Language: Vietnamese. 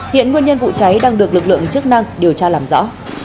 hiện nguyên nhân vụ cháy đang được lực lượng chức năng điều tra làm rõ